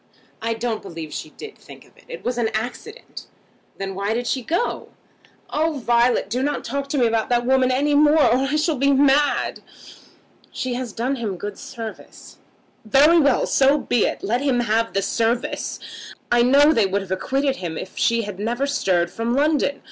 "I don't believe she did think of it. It was an accident." "Then why did she go?" "Oh, Violet, do not talk to me about that woman any more, or I shall be mad." "She has done him good service." "Very well; so be it. Let him have the service. I know they would have acquitted him if she had never stirred from London.